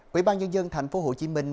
quỹ ban nhân dân thành phố hồ chí minh